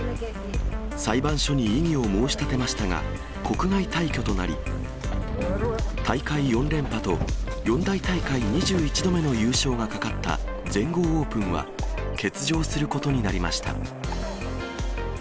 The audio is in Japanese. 裁判所に異議を申し立てましたが、国外退去となり、大会４連覇と、四大大会２１度目の優勝がかかった全豪オープンは、欠場することになりました。